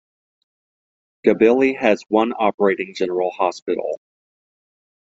Gabiley has one operating general hospital.